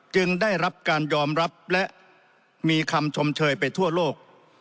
ได้รับการยอมรับและมีคำชมเชยไปทั่วโลก